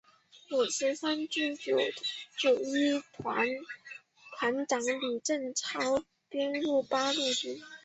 五十三军六九一团团长吕正操编入八路军。